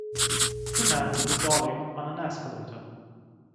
Two men with a dolly on an escalator.